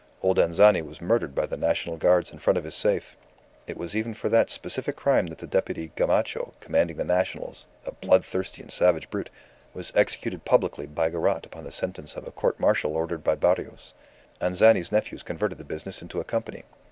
Old Anzani was murdered by the National Guards in front of his safe. It was even for that specific crime that the deputy Gamacho, commanding the Nationals, a bloodthirsty and savage brute, was executed publicly by garrotte upon the sentence of a court martial ordered by Barrios. Anzani's nephews converted the business into a company.